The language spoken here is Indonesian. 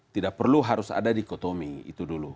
tidak perlu harus ada dikotomi itu dulu